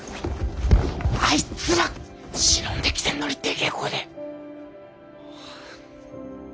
あいつら忍んで来てんのにでけぇ声で。